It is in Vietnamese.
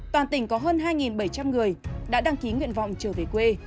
toàn tỉnh có hơn hai bảy trăm linh người đã đăng ký nguyện vọng trở về quê